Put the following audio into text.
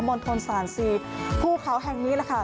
ณฑลสารซีภูเขาแห่งนี้แหละค่ะ